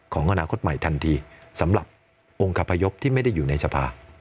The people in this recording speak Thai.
ของอนาคตใหม่ทันทีสำหรับองค์คพยพที่ไม่ได้อยู่ในสภา